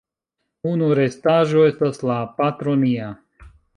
Unu restaĵo estas la "Patro nia".